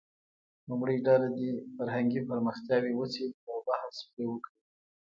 لومړۍ ډله دې فرهنګي پرمختیاوې وڅېړي او بحث پرې وکړي.